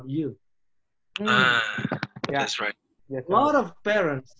banyak orang ibu bapa